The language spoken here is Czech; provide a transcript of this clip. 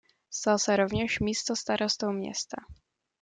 Stal se rovněž místostarostou města.